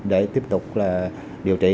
để tiếp tục điều trị